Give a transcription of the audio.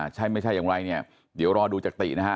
ใช่ไม่ใช่อย่างไรเนี่ยเดี๋ยวรอดูจากตินะฮะ